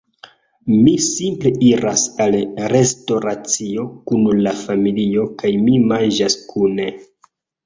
Mi simple iras al restoracio kun la familio kaj ni manĝas kune